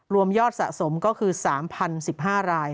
ยอดสะสมก็คือ๓๐๑๕ราย